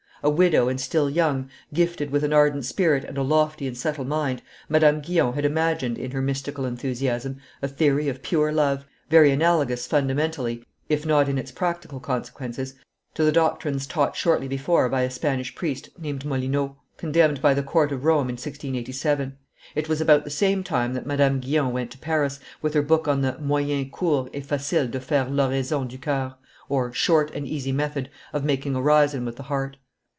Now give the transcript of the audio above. A widow and still young, gifted with an ardent spirit and a lofty and subtile mind, Madame Guyon had imagined, in her mystical enthusiasm, a theory of pure love, very analogous fundamentally, if not in its practical consequences, to the doctrines taught shortly before by a Spanish priest named Molinos, condemned by the court of Rome in 1687. It was about the same time that Madame Guyon went to Paris, with her book on the Moyen court et facile de faire l'Oraison du Coeur (Short and easy Method of making Orison with the Heart).